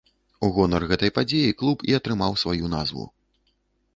У гонар гэтай падзеі клуб і атрымаў сваю назву.